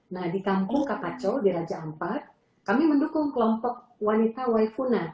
nah di kampung kapacau di raja ampat kami mendukung kelompok wanita waifuna